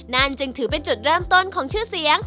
นั่นจึงถือเป็นจุดเริ่มต้นของชื่อเสียง